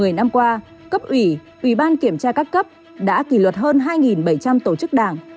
một mươi năm qua cấp ủy ủy ban kiểm tra các cấp đã kỷ luật hơn hai bảy trăm linh tổ chức đảng